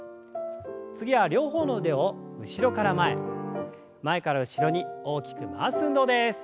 次は両方の腕を後ろから前前から後ろに大きく回す運動です。